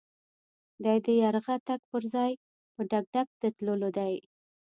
دی د يرغه تګ پر ځای په ډګډګ د تللو دی.